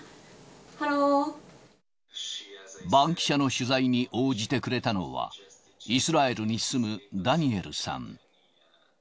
バンキシャの取材に応じてくれたのは、イスラエルに住むダニエルさん。